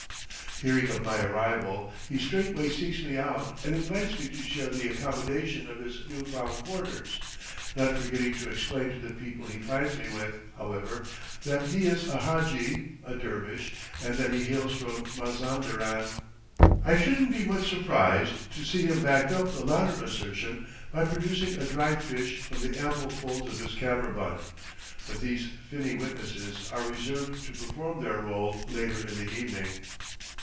Hearing of my arrival, he straightway seeks me out and invites me to share the accommodation of his new found quarters, not forgetting to explain to the people he finds me with, however, that he is a hadji, a dervish, and that he hails from Mazanderan. I shouldn't be much surprised to see him back up the latter assertion by producing a dried fish from the ample folds of his kammerbund; but these finny witnesses are reserved to perform their role later in the evening.